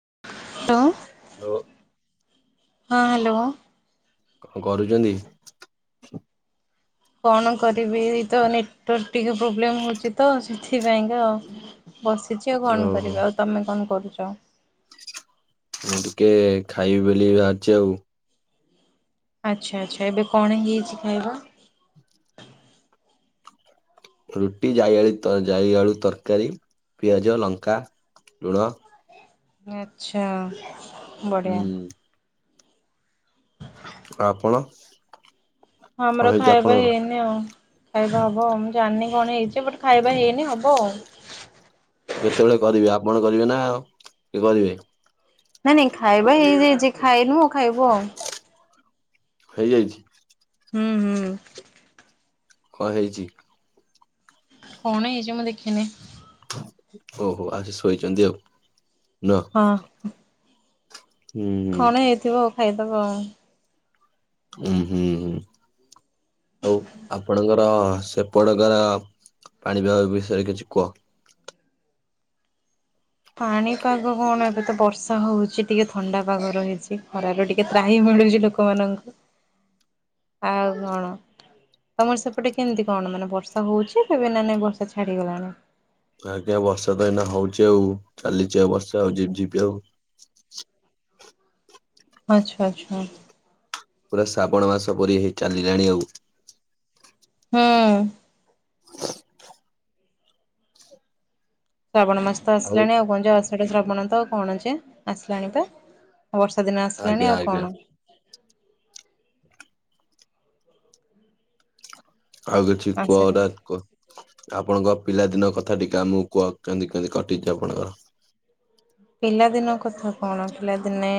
[unintelligible] ଓ। ହଁ ହାଲୋ। କଣ କରୁଛନ୍ତି। କଣ କରିବି ତ ନେଟୱାର୍କ ଟିକେ ପ୍ରୋବ୍ଲେମ ହଉଛି ତ ସେଥିପାଇଁକା ଆଉ। ବସିଛି ଆଉ କଣ ଓହୋ କରିବି ଆଉ ତମେ କଣ କରୁଛ? ମୁଁ ଟିକେ ଖାଇବି ବୋଲି ବାହାରିଛି ଆଉ। ଆଚ୍ଛା ଆଚ୍ଛା ଏବେ କଣ ହେଇଯାଇଛି ଖାଇବା। ରୁଟି ଜାଇଆଳୁ ଜାଇଆଳୁ ତରକାରୀ ପିଆଜ ଲଙ୍କା ଲୁଣ। ଆଚ୍ଛା। ବଢ଼ିଆ ହୁଁ। ଆପଣ। ହଁ କଣ ଆମର ହେଇଛି ଖାଇବା ଆପଣଙ୍କର? ହେଇନି ଆଉ। ଖାଇବା ହବ ଆଉ ମୁଁ ଜାଣିନି କଣ ହେଇଛି ବଟେ ଖାଇବା ହେଇନି ହବ ଆଉ। କଣ କରିବେ ନା କି କରିବେ। ନାଇ ନାଇଁ ଖାଇବା ଏଇଯାଇ ଖାଇନୁ ଖାଇବ। ହେଇଯାଇଛି। ହୁଁ ହୁଁ। କଣ ହେଇଛି। କଣ ହେଇଛି ମୁଁ ଦେଖିନି। ଓହୋ ଆଜି ଶୋଇଛନ୍ତି ଆଉ। ନୁହଁ ହଁ। ହୁଁ। କଣ ହେଇଥିବ ଆଉ ଖାଇଦବା ଆଉ। ହୁଁ ହୁଁ ହୁଁ ଆଉ ଆପଣଙ୍କ। ତ ସେପଟକାର ପାଣିପାଗ ବିଷୟରେ କିଛି କୁହ। ପାଣିପାଗ କଣ ଏବେ ତ ବର୍ଷା ହଉଛି ଟିକେ ଥଣ୍ଡା ପାଗ ରହିଛି ଖରାରେ ଟିକେ ତ୍ରାହି ମି ମିଳୁଛି ଲୋକମାନଙ୍କୁ। [unintelligible] ଆଉ କଣ? ତମର ସେପଟେ କେମିତି କଣ ମାନେ ବର୍ଷା ହଉଛି କେବେ ନା ନାଇଁ ବର୍ଷା ଛାଡିଗଲାଣି। ଆଜ୍ଞା ବର୍ଷା ତ ଏଇନା ହଉଛି ଆଉ ଚାଲିଛି ଆଉ ବର୍ଷା ଆଉ ଯିପି ଯିପି ଆଉ ଆଚଛା ଆଚ୍ଛା। ପୁରା ଶ୍ରାବଣ ମାସ ପରି ହେ ଚାଲିଲାଣି ଆଉ। ହୁଁ। ଶ୍ରାବଣ ମାସ ତ ଆସିଲାଣି ଆଉ କଣଛ ଅସାଟା ଶ୍ରାବଣ ତ ଆଉ କଣ ଅଛେ ଆସିଲାଣି ତ। ବର୍ଷା ଦିନ ଆସିଲାଣି ଆଜ୍ଞା ଆଉ ଆଜ୍ଞା କଣ ଆଉ କିଛି ଆଷାଢ଼ କୁହଡା କ। ଆପଣଙ୍କ ପିଲାଦିନ କଥା ଟିକେ ଆମକୁ କୁହ କେମତି କେମତି କଟିଚି ଆପଣଙ୍କର? ପିଲାଦିନ କଥା କଣ ପିଲାଦିନେ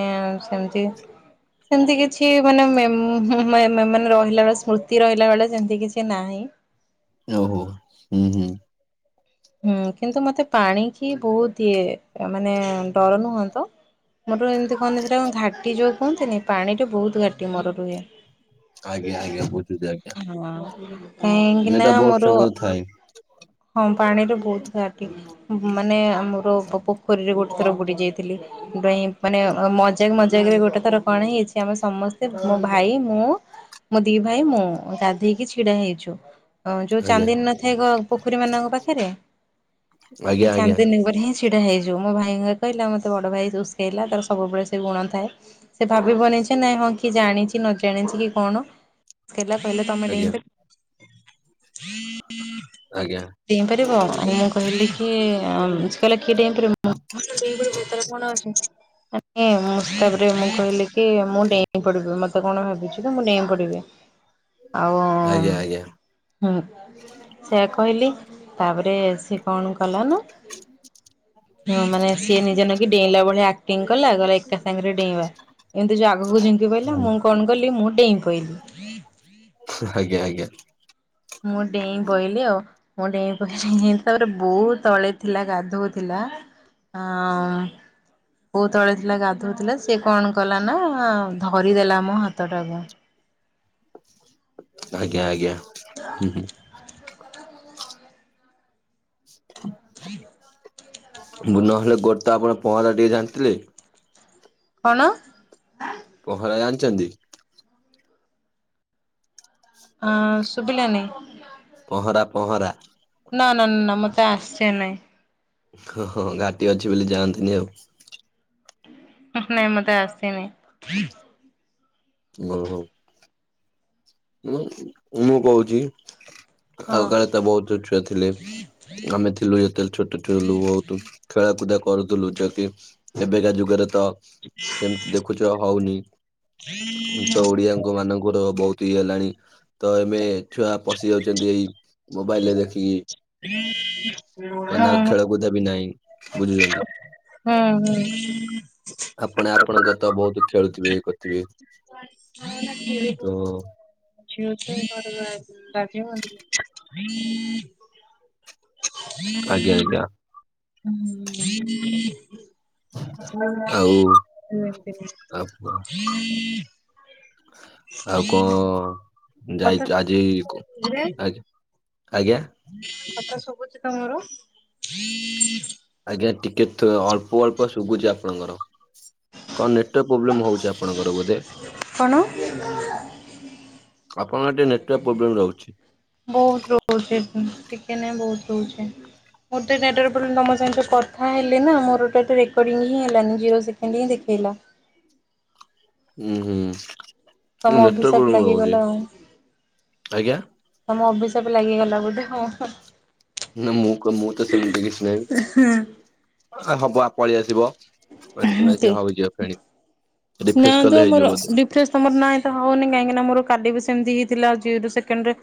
ସେମତି ସେମତି କିଛି ମାନେ ମେ-ମେ-ମେ ମାନେ ରହିଲା ବେଳେ ସ୍ମୃତି ରହିଲା ବେଳିଆ ସେମିତି କିଛି ନାହିଁ। [unintelligible] ଓହୋ ହୁଁ ହୁଁ। ହୁଁ କିନ୍ତୁ ମତେ ପାଣିକି ବହୁତ ଇଏ ମାନେ ଡର ନୁହଁନ୍ତ। ମୋର ଏମିତି କହନ୍ତି ଯୋଉରା ଘାଟି ଯୋଉ କୁହନ୍ତିନି ପାଣିରେ ବହୁତ ଘାଟି ମୋର ରୁହେ। ଆଜ୍ଞା ଆଜ୍ଞା ବୁଝୁଛି ଆଜ୍ଞା ହଁ କାହିଁକି ନା ଏଇଟା ବହୁତ ମୋର ସାଙ୍ଗରେ ହଁ। ଥାଏ। ପାଣିରେ ବହୁତ ଘାଟି ମାନେ ଆମର ପୋଖରୀରେ ଗୋଟେ ଥର ବୁଡ଼ି ଯାଇଥିଲି ଡେଇଁ ମାନେ ମଜାକ ମଜାକରେ ଗୋଟେ ଥର କଣ ହେଇଚି ଆମ ସମସ୍ତେ ମୋ ଭାଇ ମୁଁ ମୋ ଦି ଭାଇ ମୁଁ ଗାଧେଇକି ଛିଡା ହେଇଛୁ। ହ ଯୋଉ ଆଜ୍ଞା ଚାନ୍ଦିନୀ ନଥାଏ ପୋଖରୀ ମାନଙ୍କ ପାଖରେ ସେ ଆଜ୍ଞା ଆଜ୍ଞା ଚାନ୍ଦିନୀ ଉପରେ ହିଁ ଛି ଛିଡା ହେଇଯିବୁ ମୋ ଭାଇ ମତେ କହିଲା, ମତେ ବଡ ଭାଇ ଉସକେଇଲା ତାର ସବୁବେଳେ ସେ ଗୁଣ ଥାଏ, ସେ ଭାବିବନି କିଛି ନାଇଁ ହଁ କି ଜାଣିଛି ନ ଜାଣିଛି କି କଣ କହିଲା କହିଲ ତମେ ଡେଇଁ ଆଜ୍ଞା ପା ଆଜ୍ଞା। ଡେଇଁ ପାରିବ ମୁଁ କହିଲି କି ସେ କହିଲେ [unintelligible] ମାନେ ତାପରେ ମୁଁ କହିଲି କି ମୁଁ ଡେଇଁ ପଡିବି ମତେ କଣ ଭାବିଛୁ କି ମୁଁ ଡେଇଁ ପଡିବି। ଆଉ ଆଜ୍ଞା ଆଜ୍ଞା। ହୁଁ ସେଇଆ କହିଲି। ତାପରେ ସେ କଣ କଲା ନା ମାନେ ସିଏ ନିଜେ ନେଇକି ଡେଇଁଲା ଭଳିଆ ଆକ୍ଟିଂ କଲା କହିଲା ଏକା ସାଙ୍ଗରେ ଡେଇଁବା, ଏମତି ଯୋଉ ଆଗୁକୁ ଝିଙ୍କି ପଇଲା ମୁଁ କଣ କଲି ମୁଁ ଡେଇଁ ପଇଲି। ଆଜ୍ଞା ଆଜ୍ଞା। ମୁଁ ଡେଇଁ ପଇଲି ଆଉ ମୁଁ ଡେଇଁ ପଇଲି [unintelligible] ତାପରେ ବୋଉ ତଳେ ଥିଲା ଗାଧଉ ଥିଲା। ଆ ହଁ। ବୋଉ ତଳେ ଥିଲା ଗାଧଉ ଥିଲା ସେ କଣ କଲା ନା ଧରିଦେଲା ମୋ ହାତଟାକୁ। ଆଜ୍ଞା ଆଜ୍ଞା ଉ। ମୁଁ ନହେଲେ ଗୋଟାପଣ ପହଁରା ଟିକେ ଜାଣଥିଲି। କଣ? ପହଁରା ଜାଣଛନ୍ତି? ହଁ ଶୁଭିଲାନି। ପହଁରା ପହଁରା। ନା-ନା-ନା-ନା ମତେ ଆସେ ନାଇଁ। ଓହୋ ଘାଟି ଅଛି ବୋଲି ଯାଆନ୍ତିନି ଆଉ। ନାଇଁ ମତେ ଆସେନି। [unintelligible] ହଉ। [unintelligible] ମୁଁ କହୁଚି। ହଁ ଆଗକାଳରେ ତ ବହୁତ ଛୁଆ ଥିଲେ ଆମେ ଥିଲୁ ଯେତେବେଳେ ଛୋଟ ଥିଲୁ, ବହୁତୁ ଛୁଆ ଖେଳ କୁଦା କରୁଥିଲୁ ଯା କି ଏବେକା ଯୁଗରେ ତ ସେମତି ଦେଖୁଛ ହଉନି ତ ଓଡିଆଙ୍କ ମାନଙ୍କର ବହୁତ ଫ୍ରି ହେଲାଣି ତ ଏବେ ଛୁଆ ପଶି ଯାଉଛନ୍ତି ଏଇ ମୋବାଇଲରେ ଦେଖିକି। ହୁଁ ମାନେ ଆଉ ହୁଁ ଖେଳକୁଦା ବି ନାହିଁ ବୁଝୁଛନ୍ତି। ହୁଁ। ଆପଣ ଆପଣଙ୍କ ତ ବହୁତୁ ଖେଳୁଥିବେ ଇଏ କରୁଥିବେ। ଖେଳ ବହୁତ [unintelligible] ଖେଳ ଖେଳିବାର ଲାଗିବ କି? ଆଜ୍ଞା ଆଜ୍ଞା। ଆଉ ହଁ ଆଉ କଣ କଥା ଯାଇଛି ଆଜି ରେ ଆଜ୍ଞା ଆଜ୍ଞା? କଥା ଶୁଭୁଛି ତମର। ଆଜ୍ଞା ଟିକେ ଅଳ୍ପ ଅଳ୍ପ ଶୁଭୁଛି ଆପଣଙ୍କର। କଣ ନେଟୱାର୍କ ପ୍ରୋବ୍ଲେମ୍ ହଉଛି ଆପଣଙ୍କର ବୋଧେ? କଣ ଆପ୍ ବହୁତ ରହୁଛି, ଟିକେ ନାଇଁ ବହୁତ ରହୁଛି। ମୋର ଟିକେ ନେଟୱର୍କ ପ୍ରୋବ୍ଲେମ ତମ ସାଙ୍ଗରେ ଯୋଉ କଥା ହେଲି ନା, ମୋର ଏଇଟା ଟିକେ ରେକଡ଼ିଂ ହିଁ ହେଲାନି। ଜ଼ିରୋ ସେକେଣ୍ଡ ହିଁ ଦେଖେଇ ହେଲା। ହୁଁ ହୁଁ। ତମ ନେଟୱାର୍କ ଅଭିଶାପ ପ୍ରୋବ୍ଲେମ ରହୁଛି ଲାଗିଗଲା ଆଉ। ଆଜ୍ଞା। ତମ ଅଭିଶା ଶାପ ଲାଗିଗଲା ବୋଧେ? ହଁ ହଁ। ନାଁ ମୁଁ କ ମୁଁ ତ ସେମତି କିଛି ନାହିଁ। ଆ ହବ ଆ ପଳେଇ ଆସିବ ବଚପନା ସେ ହଉଛିି ବା ଫେଣି। ରିଫ୍ରେଶ ନାଁ କଲେ ତ ହେଇଯିବ ମୋର ବୋଧେ ରିଫ୍ରେସ ତମର ନାହିଁ ତ ହଉନି, କାହିଁକିନା ମୋର କାଲି ବି ସେ ସେମତି ହେଇଥିଲା ଆଜି ତ ସେକେଣ୍ଡ ଡେ।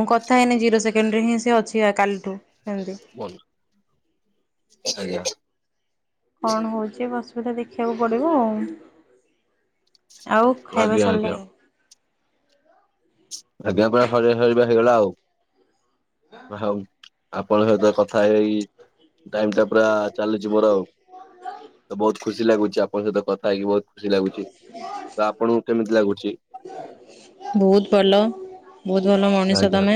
ମୁଁ କଥା ହେଇନି, ଜିରୋ ସେକେଣ୍ଡରେ ହିଁ ସେ ଅଛି କାଲିଠୁ। ସେମିତି। ବନ୍ଧୁ, ଆଜ୍ଞା। କଣ ହଉଛି ଅସୁବିଧା ଦେଖିବାକୁ ପଡିବ ଆଉ? ଆଉ ଖାଇବା ଆଜ୍ଞା ଆଜ୍ଞା ସରିଲାଇଁ? ଆଜ୍ଞା ପା ସରିବା ସରିିବା ହେଇଗଲା ଆଉ। ହଉ ଆପଣଙ୍କ ସହିତ କଥା ହେଇ ଟାଇମଟା ପୁରା ଚାଲିଚି ମୋର ଆଉ। ତ ବହୁତ ଖୁସି ଲାଗୁଚି ଆପଣଙ୍କ ସହିତ କଥା ହେଇକି ବହୁତ ଖୁସି ଲାଗୁଚି। ତ ଆପଣଙ୍କୁ କେମିତି ଲାଗୁଚି? ବହୁତ ଭଲ, ବହୁତ ଭଲ ମଣିଷ ତମେ।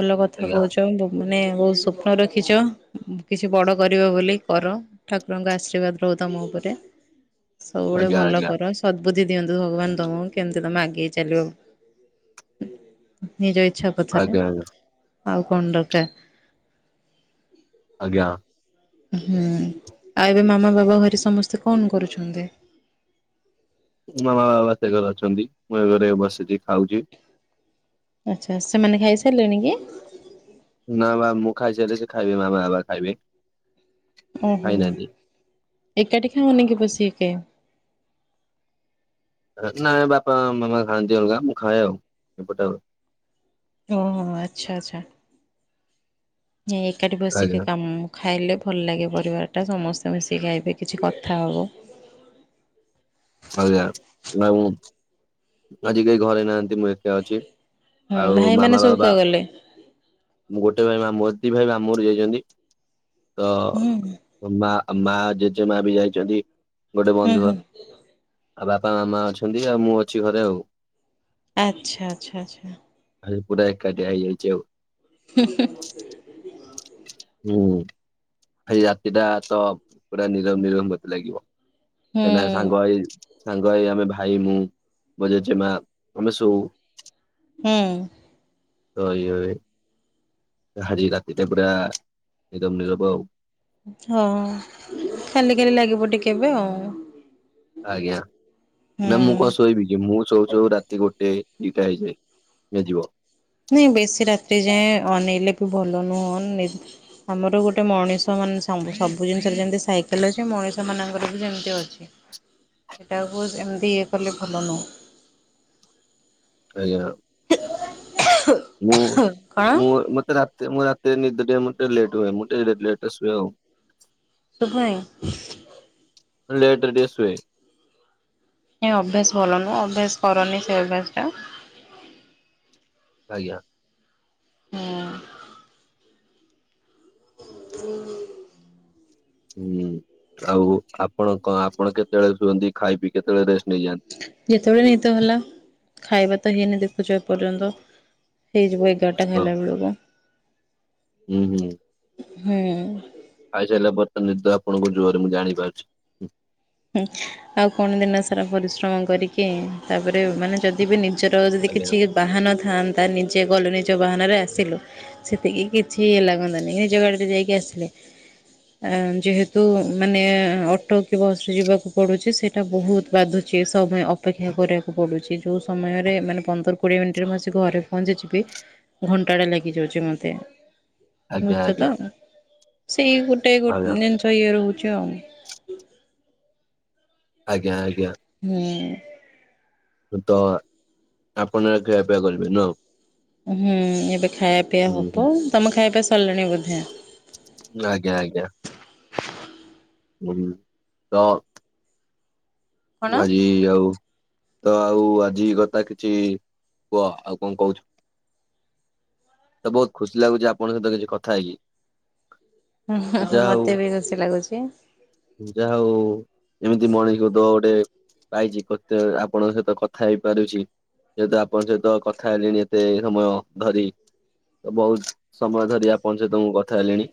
ଭଲ କଥା ଆଜ୍ଞା କହୁଛ, ତୁମେ ମାନେ ବହୁତ ସ୍ୱପ୍ନ ରଖିଛ, କିଛି ବଡ କରିବ ବୋଲି, କର। ଠାକୁରଙ୍କ ଆଶୀର୍ବାଦ ରହୁ ତମ ତମ ଉପରେ। ସବୁବେଳେ ଆଜ୍ଞା ଭଲ ଆଜ୍ଞା କର, ସଦା ବୁଦ୍ଧି ଦିଅନ୍ତୁ ଭଗବାନ ତମକୁ, କେମିତି ତମେ ଆଗେଇ ଚାଲିବ। ନିଜ ଇଚ୍ଛା ପଥରେ ଆଜ୍ଞା ଆଜ୍ଞା ଆଉ କଣ ଦରକାର? ଆଜ୍ଞା। ହୁଁ। ଆଉ ଏବେ ମାମା ବାବା ଘରେ ସମସ୍ତେ କଣ କରୁଛନ୍ତି? ମାମା ବାବା ସେ ଘରେ ଅଛନ୍ତି, ମୁଁ ଏ ଘରେ ବସିକି ଖାଉଛି। ଆଚ୍ଛା। ସେମାନେ ଖାଇ ସାରିଲେଣି କି? ନା ବା ମୁଁ ଖାଇସାରିଲେ ସେ ଖାଇବେ, ମାମା ବାବା ଖାଇବେ। ଓହୋ। ଖାଇନାହାନ୍ତି। ଏକାଠି ଖାଅନି କି ବସିକି କିଏ? ନାଇଁ ବାପା ମାମା ଖାଆନ୍ତି ଅଲଗା। ମୁଁ ଖାଏ ଆଉ, ଏପଟେ ଆଉ। ଓହୋ। ଆଚ୍ଛା ଆଚ୍ଛା। ଏକାଠି ବସିିକି ଆଜ୍ଞା କାମ ଖାଇଲେ ଭଲ ଲାଗେ ପରିବାରଟା ସମସ୍ତେ ମିଶିକି ଖାଇବେ, କିଛି କଥା ହବ ଆଜ୍ଞା। ଆଉ ଆଜି କେହି ଘରେ ନାହାଁନ୍ତି, ମୁଁ ଏକା ଅଛି ହୁଁ ଆଉ ମାମା ଭାଇମାନେ ସବୁ ବାବା। କୁଆ ଗଲେ ମୁଁ ଗୋ ଗୋଟେ ଭାଇ ମାମୁଁଘର ଦି ଭାଇ ମାମୁଁଘରକୁ ଯାଇଚନ୍ତି। ହୁଁ ତ ମା ଆଉ ମା, ଜେଜେ ମା ବି ଯାଇଚନ୍ତି ଗୋଟେ ହୁଁ ବନ୍ଧୁ ଘର ହୁଁ ଆଉ ବାପା ମାମା ଅଛନ୍ତି, ଆଉ ମୁଁ ଅଛି ଘରେ ଆଉ। ଆଚ୍ଛା, ଆଚ୍ଛା, ଆଚ୍ଛା। ଆଜି ପୁରା ଏକାଟିଆ ହେଇଯାଇଛି ଆଉ। ହୁଁ ହୁଁ। ହୁଁ ଆଜି ରାତିଟା ତ ପୁରା ନିରବ ନିରବ ମତେ ଲାଗିବ। ହୁଁ କାଇଁନା ସାଙ୍ଗ ହେଇ ସାଙ୍ଗ ହେଇ ଆମେ ଭାଇ, ମୁଁ, ମୋ ଜେଜେମା ଆମେ ଶୋଉ। ହୁଁ। ତ ଏଇ ଭଳି ଆଜି ରାତିଟା ପୁରା ନିରବ ନିରବ ଆଉ। ହଁ ଖାଲି ଖାଲି ଲାଗିବ ଟିକେ ଏବେ ଆଉ। ଆଜ୍ଞା, ହୁଁ ନା ମୁଁ କଣ ଶୋଇବି କି ମୁଁ ଶୋଉ ଶୋଉ ରାତି ଗୋଟେ, ଦିଟା ହେଇଯାଏ ହେଇଯିବ। ନାଇଁ ବେଶୀ ରାତ୍ରି ଯାଏଁ ଅନେଇଲେ ବି ଭଲ ନୁହଁ, ନି ଆମର ଗୋଟେ ମଣିଷ ମାନ ସମ୍ବୁ ସବୁ ଜିନିଷରେ ଯେମତି ସାଇକଲୋଜି, ମଣିଷ ମାନଙ୍କର ବି ସେମିତି ଅଛି। ସେଟାକୁ ଏମିତି ଇଏ କଲେ ଭଲ ନୁହଁ। ଆଜ୍ଞା। ମୁଁ- କଣ ମୁଁ ମତେ ରା ମୁଁ ରାତିରେ ନିଦ ଟିକେ ମୋତେ ଲେଟରେ ହୁଏ, ମୁଁ ଟିକେ ଲେଟ୍ ରେ ଶୁଏ ଆଉ। [unintelligible] ଲେଟରେ ଟିକେ ଶୁଏ। ଏ ଅଭ୍ୟାସ ଭଲ ନୁହଁ, ଅଭ୍ୟାସ କରନି ସେ ଅଭ୍ୟାସ ଟା। ଆଜ୍ଞା। ହଁ। [unintelligible] ହୁଁ ଆଉ ଆପଣ କଣ ଆପଣ କେତେବେଳେ ଶୁଅନ୍ତି? ଖାଇ ପି କେତେବେଳେ ରେଷ୍ଟ ନେଇଯାଆନ୍ତି? ଯେତେବେଳେ ନିଦ ହେଲା, ଖାଇବା ତ ହେଇନି ଦେଖୁଛ ଏପର୍ଯ୍ୟନ୍ତ। ହେଇଯିବ ଏଗାରଟା ହଁ ଖାଇଲା ବେଳକୁ। ହୁଁ- ହୁଁ। ହୁଁ। ଖାଇସାରିଲା ପରେ ତ ନିଦ ଆପଣଙ୍କୁ ଜୋରରେ ମୁଁ ଜାଣିପାରୁଛି। ଆଉ କଣ ଦିନ ସାରା ପରିଶ୍ରମ କରିକି, ତାପରେ ମାନେ ଯଦି ବି ନି ସେଇଟା କର ଯଦି ଆଜ୍ଞା କିଛି ବାହାନ ଥାନ୍ତା ନିଜେ ଗଲୁ ନିଜ ବାହାନାରେ ଆସିଲୁ ସେତିକି କିଛି ଇଏ ଲାଗନ୍ତାନି, ନିଜ ଗାଡିରେ ଯାଇକି ଆସ ଲେ ଯେହେତୁ ମାନେ ଅଟୋ କି ବସ ଯିବାକୁ ପଡୁଛି ସେଇଟା ବହୁତ ବାଧୁଛି, ସମୟ ଅପେକ୍ଷା କରିବାକୁ ପଡୁଛି। ଯୋଉ ସମୟରେ ମାନେ ପନ୍ଦର କୋଡିଏ ମିନିଟରେ ମୁଁ ଆସି ଘରେ ପହଞ୍ଚିଯିବି, ଘଣ୍ଟାଟା ଲାଗିଯାଉଛି ମତେ। ଆଜ୍ଞା [unintelligible] ଆଜ୍ଞା ତ ସେଇ ଗୋଟାଏ ଗୋ ଆଜ୍ଞା। ଜିନିଷ ଇଏ ରହୁ [unintelligible] ଆଜ୍ଞା ଆଜ୍ଞା। ହୁଁ ତ ଆପଣ ଖିଆପିଆ କରିବେ ନା ଆଉ? ହୁଁ ଏବେ ଖାଇଆ ପିଇଆ ହୁଁ ହୁଁ ହବ। ତମ ଖାଇଆ ପିଇଆ ସରିଲାଣି ବୋଧେ? ଆଜ୍ଞା ଆଜ୍ଞା। ହୁଁ ତ କଣ ଆଜି ଆଉ ତ ଆଉ ଆଜି କଥା କିଛି କୁହ, ଆଉ କଣ କହୁଛ? ତ ବହୁତ ଖୁସି ଲାଗୁଛି ଆପଣଙ୍କ ସହିତ କିଛି କଥା ହେଇକି। ତ ଯା ହଉ ମତେ ବି ଖୁସି ଲାଗୁଛି ଯା ହଉ। ଏମିତି ମଣିଷ ତ ଗୋଟେ ପାଇଛି, କଥା ଆପଣଙ୍କ ସହିତ କଥା ହେଇପାରୁଛି। ଯେହେତୁ ଆପଣଙ୍କ ସହିତ କଥା ହେଲେଣି ଏତେ ସମୟ ଧରି। ତ ବହୁତ ସମୟ ଧରି ଆପଣ ସହିତ ମୁଁ କଥା ହେଲିଣି।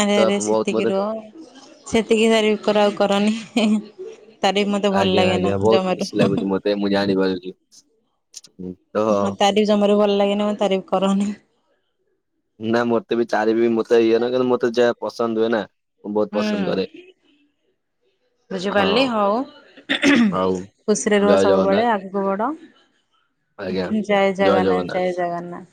ଆରେ ତ ଆରେ ବହୁତ ସେତିକି ମତେ ରୁହ, ସେତିକି ତାରିଫ୍ କର। ଆଉ କରନି, ତାରଫି ମତେ ଭଲ ଆଜ୍ଞା ଆଜ୍ଞା ଲାଗେନା ବହୁତ ଜମାରୁ। ଖୁସି ଲାଗୁଛି ମତେ ମୁଁ ଜାଣିପାରୁଛି ତ ହଁ ତାରିଫ ଜମାରୁ ଭଲ ଲାଗେନି, ମତେ ତାରିଫ କରନି। ନା ମତେ ବି ଚାରି ବି ମତେ ଇଏ ନୁହେଁ, କିନ୍ତୁ ମତେ ଯାହା ପସନ୍ଦ ହୁଏ ନା ମୁଁ ବହୁତ ପସନ୍ଦ କରେ। ହୁଁ। ହଁ ବୁଝିପାରିଲି ହଉ, ହଉ ଖୁସିରେ ରୁହ ଜୟ ଜଗନ୍ନାଥ ସବୁବେଳେ, ଆଗକୁ ବଢ। ଆଜ୍ଞା ଜୟ ଜଗନ୍ନାଥ ଜୟ ଜଗନ୍ନାଥ।